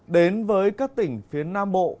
đến với các tỉnh phía nam bộ